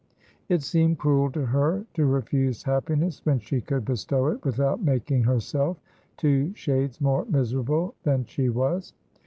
It seemed cruel to her to refuse happiness when she could bestow it without making herself two shades more miserable than she was.